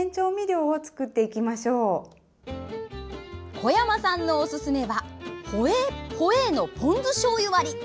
小山さんのおすすめはホエーのポン酢しょうゆ割り。